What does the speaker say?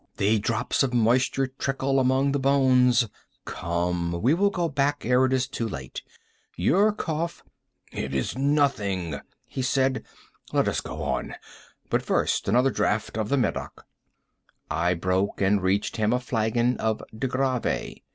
The drops of moisture trickle among the bones. Come, we will go back ere it is too late. Your cough—" "It is nothing," he said; "let us go on. But first, another draught of the Medoc." I broke and reached him a flagon of De Grâve.